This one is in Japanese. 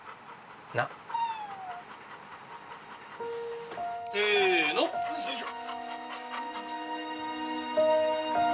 なっ？せのよいしょ。